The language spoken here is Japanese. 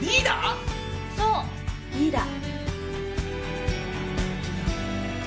そうリーダー。